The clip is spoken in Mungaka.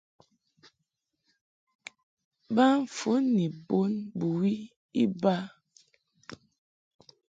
Ba fon ni bon bɨwi iba.